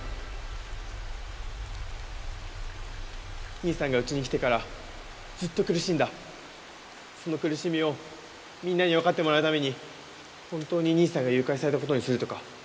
兄さんがうちに来てからずっと苦しんだその苦しみをみんなにわかってもらうために本当に兄さんが誘拐された事にするとか。